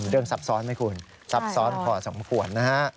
ซับซ้อนไหมคุณซับซ้อนพอสมควรนะฮะ